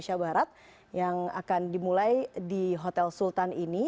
yang akan dimulai di hotel sultan ini